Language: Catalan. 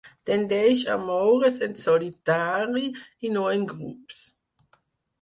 Tendeix a moure's en solitari, i no en grups.